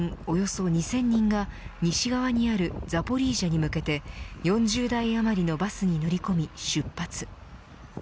およそ２０００人が西側にあるザポリージャに向けて４０台あまりのバスに乗り込み出発。